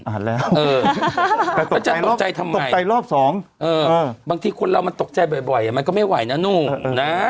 เออแล้วจะตกใจทำไงตกใจรอบ๒เออบางทีคนเรามันตกใจบ่อยมันก็ไม่ไหวนะนู้นนะ